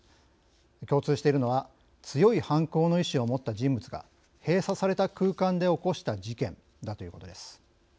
共通しているのは強い犯行の意思を持った人物が閉鎖された空間で起こした事件だということです。